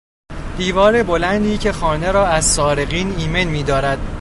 دیوار بلندی که خانه را از سارقین ایمن میدارد